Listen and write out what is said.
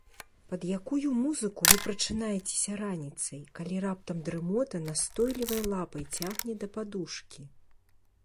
Пад якую музыку вы прачынаецеся раніцай, калі раптам дрымота настойлівай лапай цягне да падушкі?